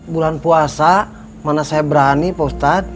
bulan puasa mana saya berani pak ustadz